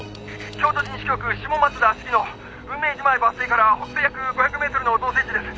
「京都市西京区下松田鴫野」「雲明寺前バス停から北西約５００メートルの造成地です」